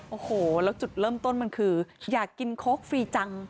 โอ้โหแล้วจุดเริ่มต้นมันคืออยากกินโค้กฟรีจัง